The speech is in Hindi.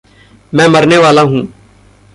मैं मरने वाला हूँ।